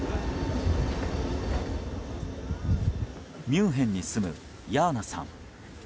ミュンヘンに住むヤーナさん。